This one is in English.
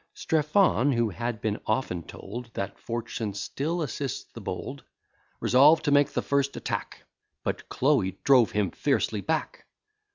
Strephon, who had been often told That fortune still assists the bold, Resolved to make the first attack; But Chloe drove him fiercely back.